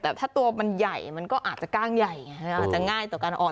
แต่ถ้าตัวมันใหญ่มันก็อาจจะกล้างใหญ่ไงอาจจะง่ายต่อการอ่อน